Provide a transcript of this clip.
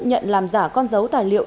nhận làm giả con dấu tài liệu